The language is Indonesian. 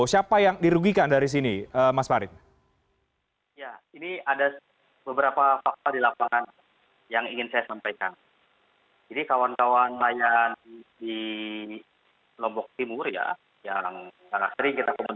ini sudah diperbangk dwarf vue pro bud